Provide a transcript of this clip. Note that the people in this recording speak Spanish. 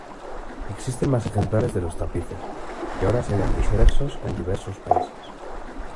Existen más ejemplares de los tapices, que ahora se hallan dispersos en diversos países.